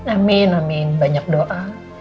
amin amin banyak doa